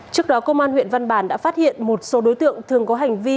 trước đó công an huyện văn bản đã phát hiện một số đối tượng thường có hành vi